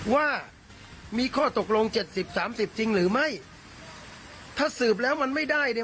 ว่ามีข้อตกลงเจ็ดสิบสามสิบจริงหรือไม่ถ้าสืบแล้วมันไม่ได้เนี่ย